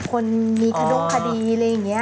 คนมีขดงคดีอะไรอย่างนี้